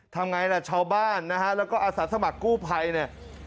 ทำไงล่ะชาวบ้านนะฮะแล้วก็อาสาสมัครกู้ภัยเนี่ย